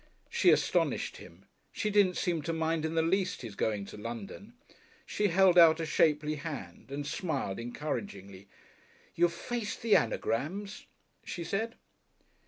She astonished him. She didn't seem to mind in the least his going to London. She held out a shapely hand, and smiled encouragingly. "You've faced the anagrams?" she said.